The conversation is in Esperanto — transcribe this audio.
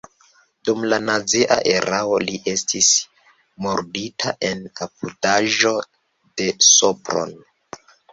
Dum la nazia erao li estis murdita en apudaĵo de Sopron.